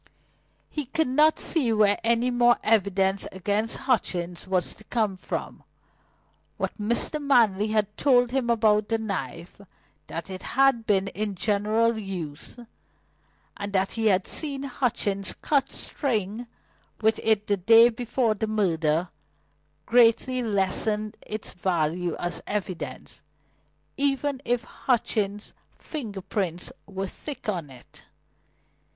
He could not see where any more evidence against Hutchings was to come from. What Mr. Manley had told him about the knife, that it had been in general use, and that he had seen Hutchings cut string with it the day before the murder, greatly lessened its value as evidence, even if Hutchings' finger prints were thick on it.